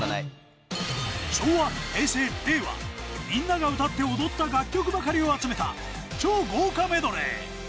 昭和、平成、令和、みんなが歌って踊った楽曲ばかりを集めた、超豪華メドレー。